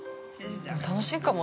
楽しいかも。